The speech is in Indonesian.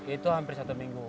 itu hampir satu minggu